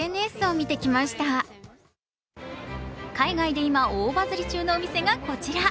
海外で今、大バズリ中のお店がこちら。